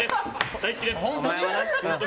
大好きです！